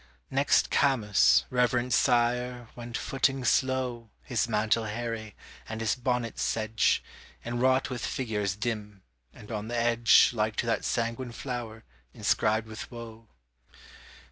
Next Camus, reverend sire, went footing slow, His mantle hairy, and his bonnet sedge, Inwrought with figures dim, and on the edge, Like to that sanguine flower, inscribed with woe.